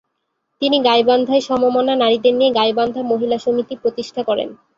তিনি গাইবান্ধায় সমমনা নারীদের নিয়ে গাইবান্ধা মহিলা সমিতি প্রতিষ্ঠা করেন।